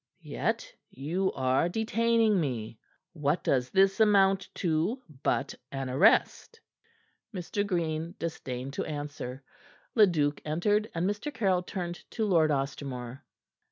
"Yet you are detaining me. What does this amount to but an arrest?" Mr. Green disdained to answer. Leduc entered, and Mr. Caryll turned to Lord Ostermore.